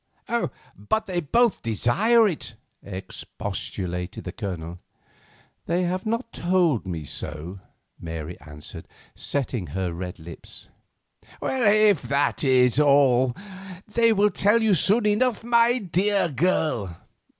"But they both desire it," expostulated the Colonel. "They have not told me so," Mary answered, setting her red lips. "If that is all, they will tell you so soon enough, my dear girl."